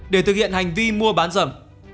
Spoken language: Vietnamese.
để thực hiện hành vi mua bán rẩm